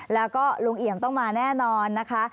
แล้วก็ลุงเอี่ยมต้องมาแน่นอนนะคะ